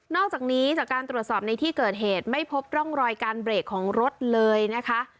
อกจากนี้จากการตรวจสอบในที่เกิดเหตุไม่พบร่องรอยการเบรกของรถเลยนะคะ